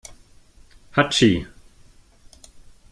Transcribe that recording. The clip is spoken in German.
Hatschi!